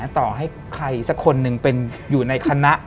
ต่อให้ใครสักคนหนึ่งเป็นอยู่ในคณะ